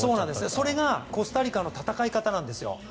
それがコスタリカの戦い方なんですよ。